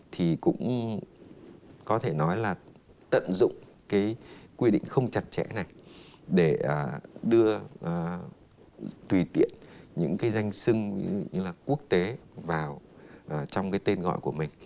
thì cũng có thể nói là tận dụng cái quy định không chặt chẽ này để đưa tùy kiện những cái danh sưng quốc tế vào trong cái tên gọi của mình